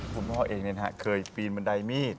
คุณพ่อเองนะครับเคยปีนบันไดมีด